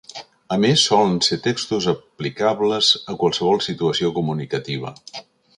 A més, solen ser textos aplicables a qualsevol situació comunicativa.